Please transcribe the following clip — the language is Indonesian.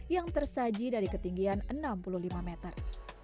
yang tersaji dari ketinggian enam puluh lima meter